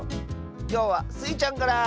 きょうはスイちゃんから！